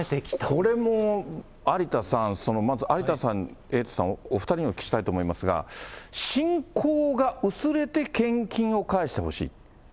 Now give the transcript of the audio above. これも有田さん、まず有田さん、エイトさん、お２人に聞きたいと思いますが、信仰が薄れて献金を返してほしい。